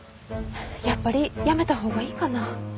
やっぱりやめた方がいいかな？